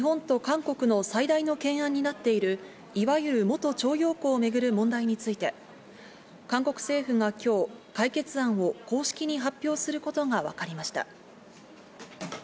日本と韓国の最大の懸案になっている、いわゆる元徴用工を巡る問題について、韓国政府が今日、解決案を公式に発表することがわかりました。